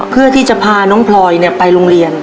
เพื่อที่จะพาน้องพลอยไปโรงเรียน